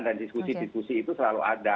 dan diskusi diskusi itu selalu ada